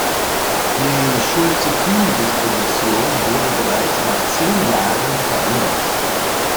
Die Schulze-Kühn-Disposition wurde bereits nach zehn Jahren verändert.